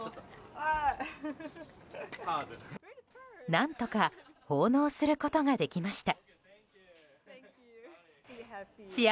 何とか奉納することができました。